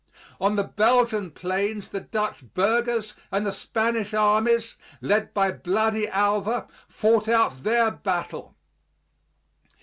On the Belgian plains the Dutch burghers and the Spanish armies, led by Bloody Alva, fought out their battle.